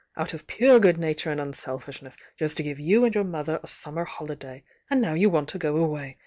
Out of pure good nature and unselfishness, just to give you and your mother a summer holiday, and now you want to go away!